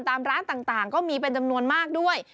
ตามร้านต่างก็มีเป็นจำนวนมากด้วย